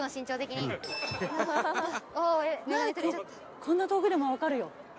こんな遠くでもわかるよ。